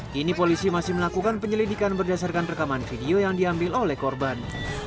kini polisi masih melakukan penyelidikan berdasarkan rekaman video yang diambil oleh korban